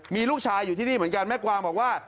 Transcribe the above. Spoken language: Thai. มีลูกชายอยู่ที่นี่เหมือนกันแม่กวางบอกว่า